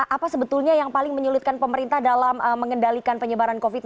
apa sebetulnya yang paling menyulitkan pemerintah dalam mengendalikan penyebaran covid sembilan belas